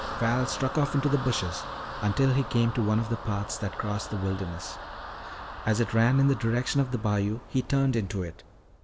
Val struck off into the bushes until he came to one of the paths that crossed the wilderness. As it ran in the direction of the bayou, he turned into it.